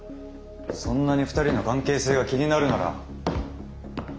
そんなに２人の関係性が気になるなら。